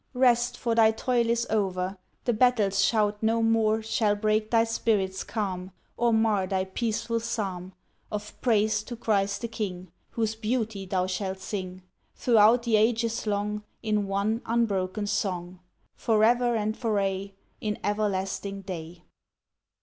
"Rest for thy toil is o'er, The battle's shout no more Shall break thy spirit's calm, Or mar thy peaceful Psalm; Of praise to Christ the King, Whose beauty thou shalt sing, Throughout the ages long, In one unbroken song. For ever, and for aye, In everlasting Day."